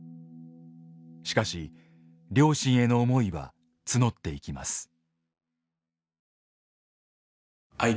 しかし両親への思いは募っていきます。